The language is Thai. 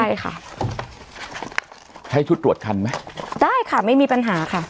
ใช่ค่ะใช้ชุดตรวจคันไหมได้ค่ะไม่มีปัญหาค่ะ